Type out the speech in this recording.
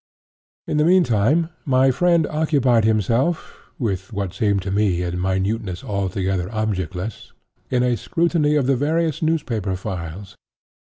In the mean time my friend occupied himself, with what seemed to me a minuteness altogether objectless, in a scrutiny of the various newspaper files.